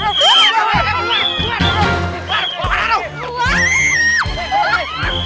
ikutin mereka kita aja biar mereka dikejar